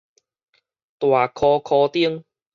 大箍箍丁